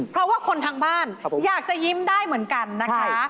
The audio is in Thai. เพราะว่าคนทางบ้านอยากจะยิ้มได้เหมือนกันนะคะ